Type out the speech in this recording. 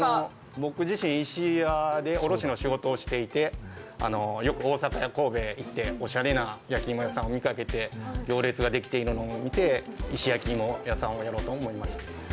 僕自身、石屋で卸の仕事をしていて、よく大阪や神戸に行っておしゃれな焼き芋屋さんを見て行列ができているのを見て、石焼き芋屋さんをやろうと思いました。